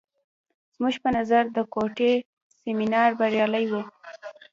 زموږ په نظر د کوټې سیمینار بریالی و.